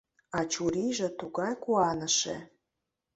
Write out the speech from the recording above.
А чурийже тугай куаныше.